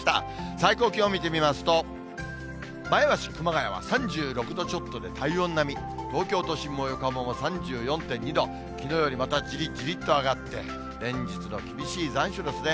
最高気温を見てみますと、前橋、熊谷は３６度ちょっとで、体温並み、東京都心も横浜も３４．２度、きのうよりまたじりっじりっと上がって、連日の厳しい残暑ですね。